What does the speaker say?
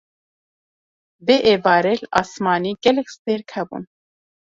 Vê êvarê li asîmanî gelek stêrk hebûn.